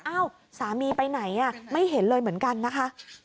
สามีไปไหนไม่เห็นเลยเหมือนกันนะคะ